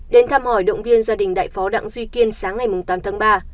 đến thăm hỏi động viên gia đình đại phó đặng duy kiên sáng ngày tám tháng ba